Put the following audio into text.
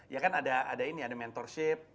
ya kan ada ini ada mentorship